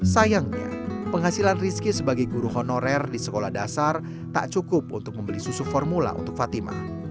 sayangnya penghasilan rizky sebagai guru honorer di sekolah dasar tak cukup untuk membeli susu formula untuk fatima